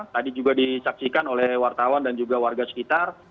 tadi juga disaksikan oleh wartawan dan juga warga sekitar